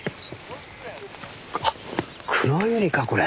あっクロユリかこれ。